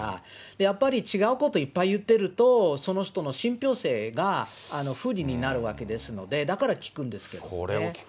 やっぱり違うこといっぱい言ってると、その人の信ぴょう性が不利になるわけですので、だから聞くんですこれを聞く。